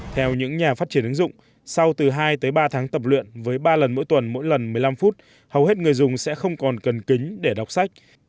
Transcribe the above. theo những nhà phát triển ứng dụng sau từ hai tới ba tháng tập luyện với ba lần mỗi tuần mỗi lần một mươi năm phút hầu hết người dùng sẽ không còn cần kính để đọc sách